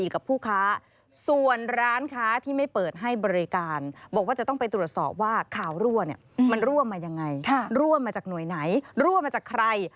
ข่าวรั่วมันรั่วมายังไงรั่วมาจากหน่วยไหนรั่วมาจากใคร